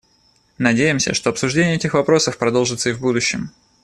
Надеемся, что обсуждение этих вопросов продолжится и в будущем.